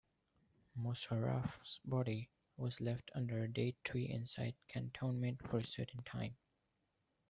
Mosharraf's body was left under a date tree inside cantonment for a certain time.